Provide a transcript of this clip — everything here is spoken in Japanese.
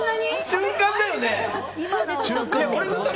瞬間だよね。